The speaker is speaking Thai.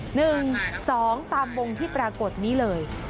หนึ่งสองตามวงที่ปรากฏนี้เลย